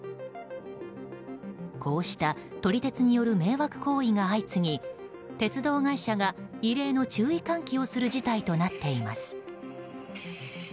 こうした撮り鉄による迷惑行為が相次ぎ鉄道会社が異例の注意喚起をする事態となっています。